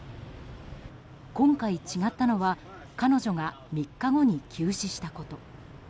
今回、違ったのは彼女が３日後に急死したこと。